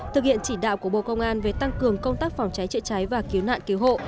thực hiện chỉ đạo của bộ công an về tăng cường công tác phòng cháy chữa cháy và cứu nạn cứu hộ